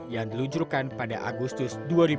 yang diluncurkan pada agustus dua ribu dua puluh